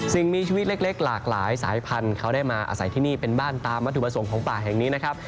สิ่งมีชีวิตเล็กหลากหลายสายพันธุ์เขาได้มาอาศัยที่นี่เป็นบ้านตามวัตถุประสงค์ของป่าแห่งนี้นะครับ